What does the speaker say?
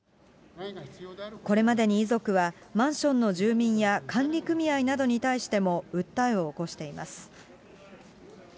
これまでに遺族は、マンションの住民や管理組合などに対しても訴えを起こしています。